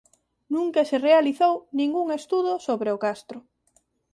Nunca se realizou ningún estudo sobre o castro.